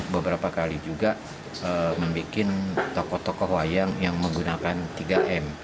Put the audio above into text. beberapa kali juga membuat tokoh tokoh wayang yang menggunakan tiga m